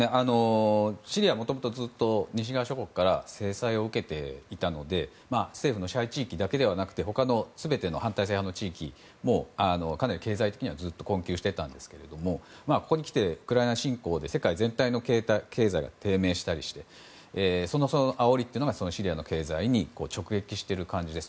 シリアはもともと、ずっと西側諸国から制裁を受けていたので政府の支配地域だけではなくて他の全ての反体制派の地域もかなり経済的にはずっと困窮していたんですがここにきてウクライナ侵攻で世界全体の経済が低迷したりしてそのあおりがシリアの経済を直撃している感じです。